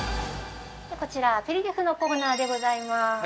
◆こちら、アペリティフのコーナーでございます。